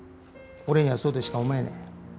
俺にはそうとしか思えねえ。